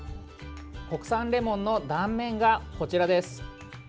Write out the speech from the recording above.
国産レモンの断面が、こちらです。